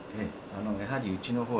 やはりうちのほう、